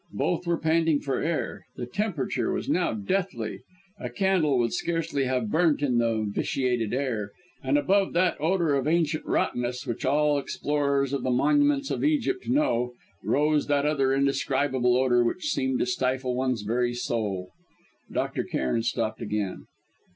Both were panting for air. The temperature was now deathly. A candle would scarcely have burnt in the vitiated air; and above that odour of ancient rottenness which all explorers of the monuments of Egypt know, rose that other indescribable odour which seemed to stifle one's very soul. Dr. Cairn stopped again.